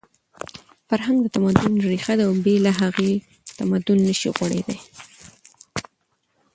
فرهنګ د تمدن ریښه ده او بې له هغې تمدن نشي غوړېدی.